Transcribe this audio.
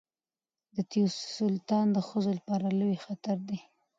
د تیو سرطان د ښځو لپاره لوی خطر دی.